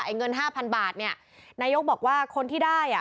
เงินห้าพันบาทเนี่ยนายกบอกว่าคนที่ได้อ่ะ